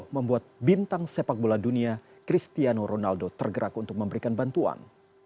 membuat bintang sepak bola dunia cristiano ronaldo tergerak untuk memberikan bantuan